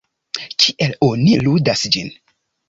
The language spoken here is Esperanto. Kiel oni ludas ĝin?